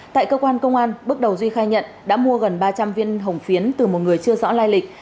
tại công an tp huế bước đầu duy khai nhận đã mua gần ba trăm linh viên hồng phiến từ một người chưa rõ lai lịch